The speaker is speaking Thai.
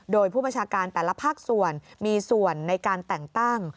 โดยผู้บัญชาการแต่ละภาคส่วนมีส่วนในการแต่งตั้ง